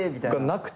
なくて。